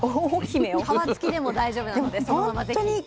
皮付きでも大丈夫なのでそのままぜひ。